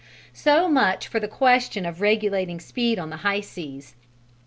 So much for the question of regulating speed on the high seas.